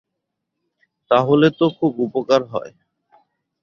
তাহলে তো খুব উপকার হয়।